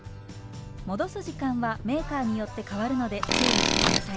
戻す時間はメーカーによって変わるので注意して下さい。